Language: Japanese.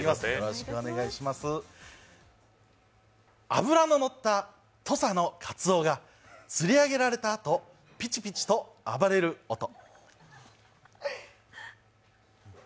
脂の乗った土佐のかつおが釣り上げられたあと、ピチピチと暴れる音。